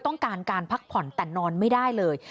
ต้องการการพักผ่อนแต่นอนไม่ได้เลย